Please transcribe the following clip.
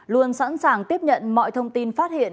luôn sẵn sàng tiếp nhận mọi thông tin phát hiện